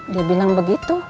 dia bilang begitu